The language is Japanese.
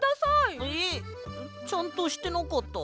えっ？ちゃんとしてなかった？